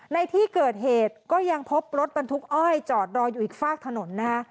ในที่เกิดเหตุก็ยังพบรถบรรทุกอ้อยจอดรออยู่อีกฝากถนนนะฮะ